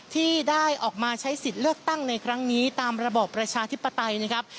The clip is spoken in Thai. ที่ได้ออกมาใช้สิทธิ์เลือกตั้งในครั้งนี้ตามระบอบประชาธิปไตยนะครับ